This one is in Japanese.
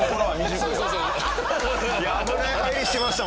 危ない入りしてましたもんね。